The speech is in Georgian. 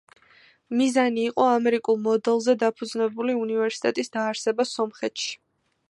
მიზანი იყო ამერიკულ მოდელზე დაფუძნებული უნივერსიტეტის დაარსება სომხეთში.